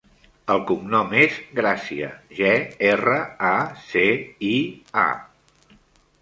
El cognom és Gracia: ge, erra, a, ce, i, a.